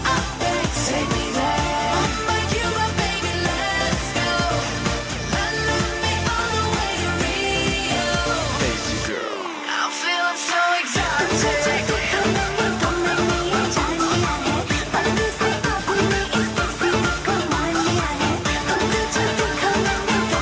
assalamualaikum warahmatullahi wabarakatuh